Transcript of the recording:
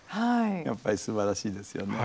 やっぱりすばらしいですよね。